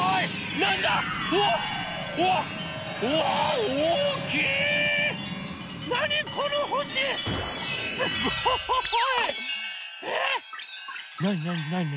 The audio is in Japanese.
なになに？